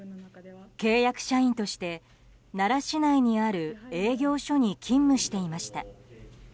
契約社員として奈良市内にある営業所に勤務していました。